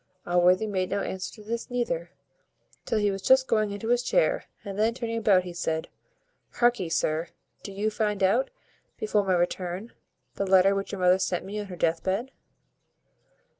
Allworthy made no answer to this neither, till he was just going into his chair, and then, turning about, he said "Harkee, sir, do you find out, before my return, the letter which your mother sent me on her death bed."